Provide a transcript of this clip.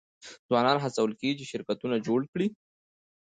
ځوانان هڅول کیږي چې شرکتونه جوړ کړي.